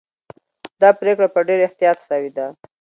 دا پرېکړه په ډېر احتیاط سوې ده.